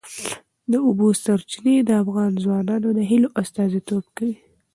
د اوبو سرچینې د افغان ځوانانو د هیلو استازیتوب کوي.